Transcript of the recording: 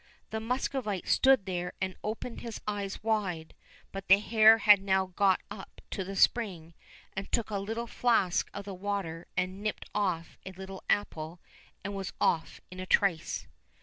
The Muscovite stood there and opened his eyes wide, but the hare had now got up to the spring, and took a little flask of the water and nipped off a little apple, and was off in a trice.